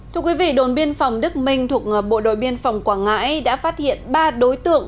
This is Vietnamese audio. thưa quý vị đồn biên phòng đức minh thuộc bộ đội biên phòng quảng ngãi đã phát hiện ba đối tượng